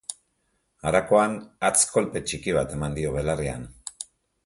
Harakoan hatz-kolpe txiki bat eman dio belarrian.